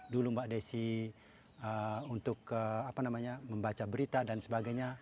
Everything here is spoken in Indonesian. dulu mbak desi untuk membaca berita dan sebagainya